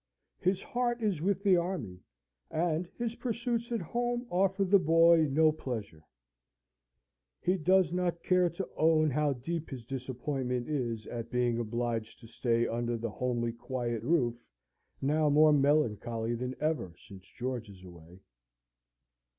His heart is with the army, and his pursuits at home offer the boy no pleasure. He does not care to own how deep his disappointment is, at being obliged to stay under the homely, quiet roof, now more melancholy than ever since George is away.